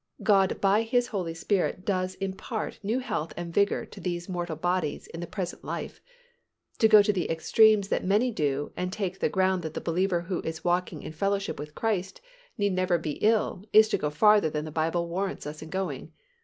God by His Holy Spirit does impart new health and vigour to these mortal bodies in the present life. To go to the extremes that many do and take the ground that the believer who is walking in fellowship with Christ need never be ill is to go farther than the Bible warrants us in going.